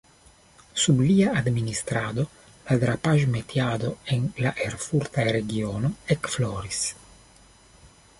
Sub lia administrado la drapaĵ-metiado en la erfurta regiono ekfloris.